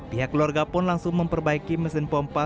pihak keluarga pun langsung memperbaiki mesin pompa